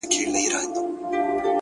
هم دي د سرو سونډو په سر كي جـادو؛